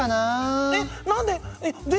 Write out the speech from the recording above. えっ何で？